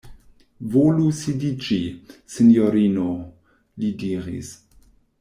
Volu sidiĝi, sinjorino, li diris.